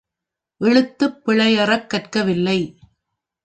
எழுத்துப் பிறையறக் கற்கவில்லை.